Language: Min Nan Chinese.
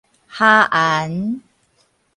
縖絚